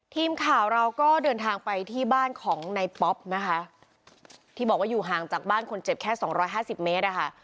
ทีมข่าวเราก็เดินทางไปที่บ้านของในป๊อปนะคะที่บอกว่าอยู่ห่างจากบ้านคนเจ็บแค่สองร้อยห้าสิบเมตรอะค่ะ